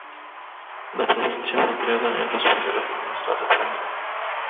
La provincia fue creada en los primeros años de la República.